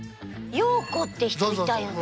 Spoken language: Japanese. ヨーコって人いたよね。